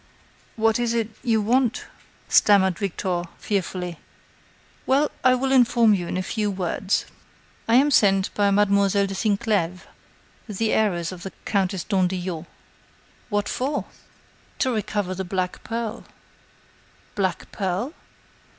"What is it.... you want?" stammered Victor, fearfully. "Well, I will inform you in a few words. I am sent by Mademoiselle de Sinclèves, the heiress of the Countess d'Andillot." "What for?" "To recover the black pearl." "Black pearl?"